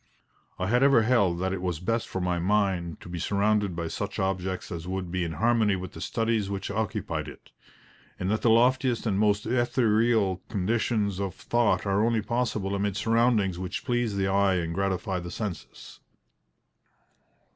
I had ever held that it was best for my mind to be surrounded by such objects as would be in harmony with the studies which occupied it, and that the loftiest and most ethereal conditions of thought are only possible amid surroundings which please the eye and gratify the senses.